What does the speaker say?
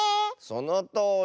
そのとおり。